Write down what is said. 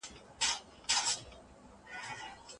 ایا سندي څېړنه د خپلواکي څېړني ځای نیولی سي؟